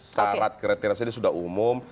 salat kriteria ini sudah umum